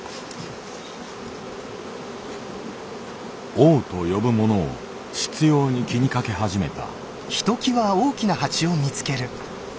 「王」と呼ぶものを執拗に気にかけ始めた。